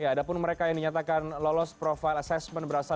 ada pun mereka yang dinyatakan lolos profile assessment berasal